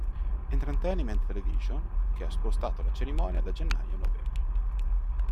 Entertainment Television, che ha spostato la cerimonia da gennaio a novembre.